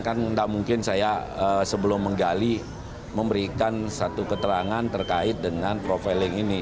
kan tidak mungkin saya sebelum menggali memberikan satu keterangan terkait dengan profiling ini